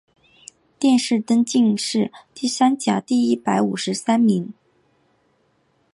殿试登进士第三甲第一百五十三名。